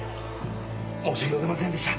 申し訳ございませんでした。